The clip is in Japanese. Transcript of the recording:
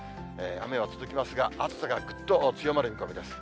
雨は続きますが、暑さがぐっと強まる見込みです。